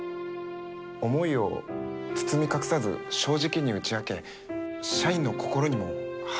思いを包み隠さず正直に打ち明け社員の心にも花を咲かせる。